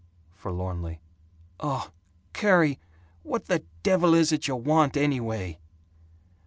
Forlornly, "Uh Carrie, what the devil is it you want, anyway?"